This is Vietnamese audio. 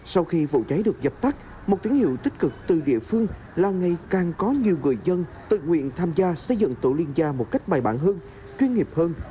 sau khi vụ cháy được dập tắt một tiếng hiệu tích cực từ địa phương là ngày càng có nhiều người dân tự nguyện tham gia xây dựng tổ liên gia một cách bài bản hơn chuyên nghiệp hơn